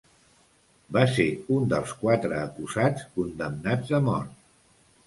Va ser un dels quatre acusats condemnats a mort.